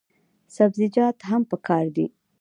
سبزیجات هم پکار دي.